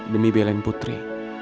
demi belain putri